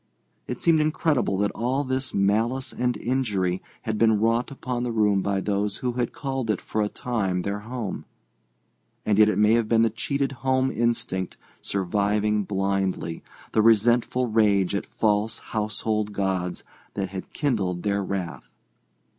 It seemed incredible that all this malice and injury had been wrought upon the room by those who had called it for a time their home; and yet it may have been the cheated home instinct surviving blindly, the resentful rage at false household gods that had kindled their wrath.